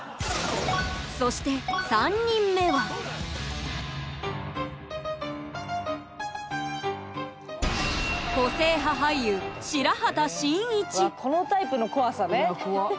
そして３人目はわっこのタイプの怖さね。